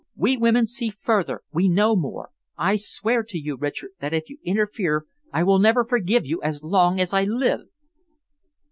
We women see further, we know more. I swear to you, Richard, that if you interfere I will never forgive you as long as I live!"